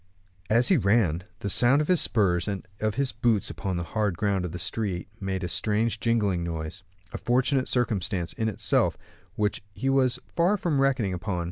As he ran, the sound of his spurs and of his boots upon the hard ground of the street made a strange jingling noise; a fortunate circumstance in itself, which he was far from reckoning upon.